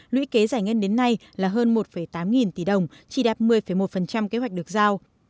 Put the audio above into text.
lũy kế giải ngân đến nay là hơn một tám nghìn tỷ đồng chỉ đạt một mươi một kế hoạch được giao